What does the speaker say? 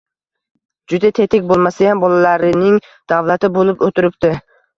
Juda tetik bo‘lmasayam, bolalarining davlati bo‘lib o‘tiribdi